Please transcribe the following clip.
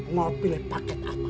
mau pilih paket apa